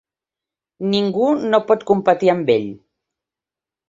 Ningú no pot competir amb ell.